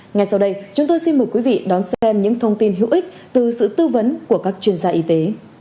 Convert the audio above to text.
ngay sau đây chúng tôi xin mời quý vị đón xem những thông tin hữu ích từ sự tư vấn của các chuyên gia y tế